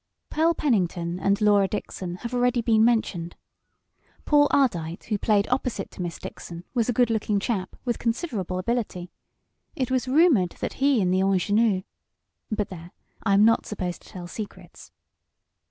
Pearl Pennington and Laura Dixon have already been mentioned. Paul Ardite, who played opposite to Miss Dixon, was a good looking chap, with considerable ability. It was rumored that he and the ingenue but there, I am not supposed to tell secrets.